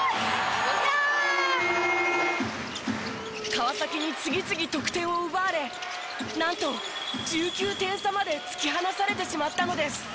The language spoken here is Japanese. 川崎に次々得点を奪われなんと１９点差まで突き放されてしまったのです。